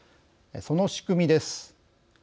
その仕組みです。